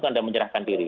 anda menyerahkan diri